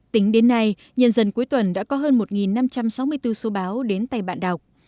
tính đến nay nhân dân cuối tuần đã có hơn một năm trăm sáu mươi bốn số báo đến tay bạn đọc